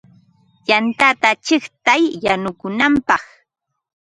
Yantata chiqtay yanukunapaq.